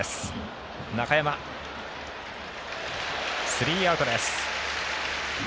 スリーアウトです。